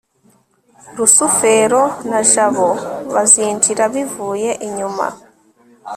rusufero na jabo bazinjira bivuye inyuma